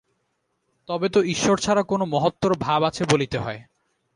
তবে তো ঈশ্বর ছাড়া কোন মহত্তর ভাব আছে বলিতে হয়।